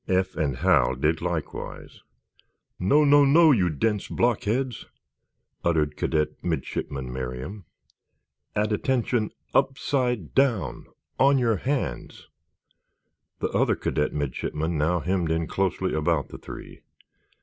Eph and Hal did likewise. "No, no, no, you dense blockheads!" uttered Cadet Midshipman Merriam. "'At attention' upside down—on your hands!" The other cadet midshipmen now hemmed in closely about the three.